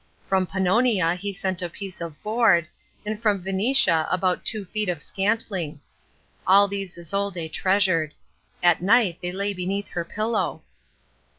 From Pannonia he sent a piece of board, and from Venetia about two feet of scantling. All these Isolde treasured. At night they lay beneath her pillow.